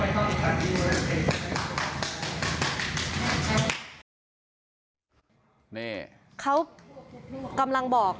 ไม่ใช่ค่ะ